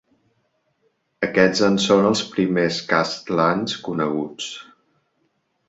Aquests en són els primers castlans coneguts.